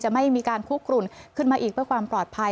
ไม่มีการคุกกลุ่นขึ้นมาอีกเพื่อความปลอดภัย